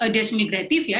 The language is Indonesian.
desa migratif ya